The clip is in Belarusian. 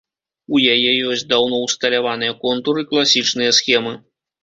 У яе ёсць даўно ўсталяваныя контуры, класічныя схемы.